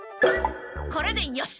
これでよし！